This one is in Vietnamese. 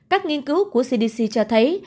các nghiên cứu của cdc cho thấy